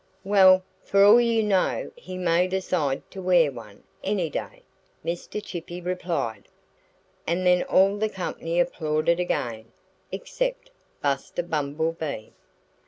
"Well, for all you know he may decide to wear one, any day," Mr. Chippy replied. And then all the company applauded again except Buster Bumblebee.